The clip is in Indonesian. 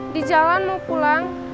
di jalan mau pulang